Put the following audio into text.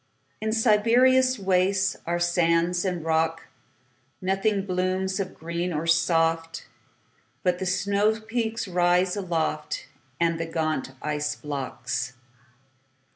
In Siberia's wastesAre sands and rocks. Nothing blooms of green or soft, But the snowpeaks rise aloftAnd the gaunt ice blocks.